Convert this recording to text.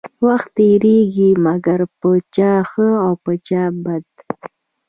وخت تيريږي مګر په چا ښه او په چا بد.